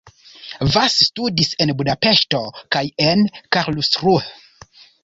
Vass studis en Budapeŝto kaj en Karlsruhe.